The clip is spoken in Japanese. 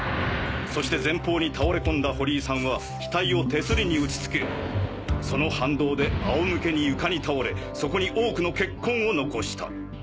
そして前方に倒れ込んだ堀井さんは額を手すりに打ちつけその反動で仰向けに床に倒れそこに多くの血痕を残した。